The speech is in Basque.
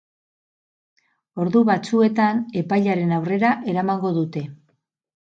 Ordu batzuetan epailearen aurrera eramango dute.